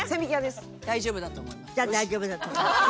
大丈夫だと思います。